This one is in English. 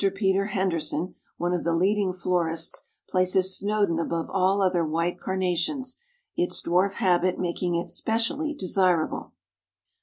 Peter Henderson, one of the leading florists, places Snowdon above all other white Carnations, its dwarf habit making it specially desirable.